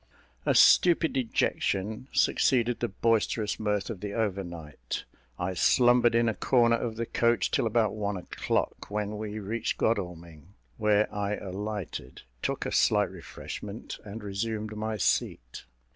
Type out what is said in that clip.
A stupid dejection succeeded the boisterous mirth of the overnight. I slumbered in a corner of the coach till about one o'clock, when we reached Godalming, where I alighted, took a slight refreshment, and resumed my seat.